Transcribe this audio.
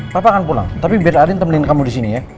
papa akan pulang tapi biar arin temenin kamu disini ya